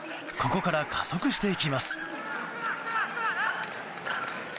ここから加速していきます。